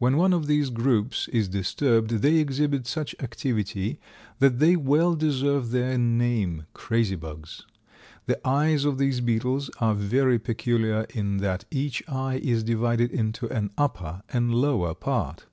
When one of these, groups is disturbed they exhibit such activity that they well deserve their name, "Crazy bugs." The eyes of these beetles are very peculiar in that each eye is divided into an upper and lower part.